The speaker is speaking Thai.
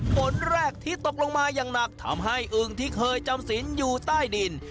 ฝนแรกที่ตกลงมาอย่างหนักทำให้อึงที่เคยจำสินอยู่ใต้ดิน